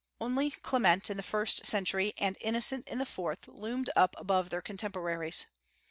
Only Clement in the first century, and Innocent in the fourth loomed up above their contemporaries.